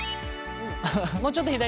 もうちょっと左。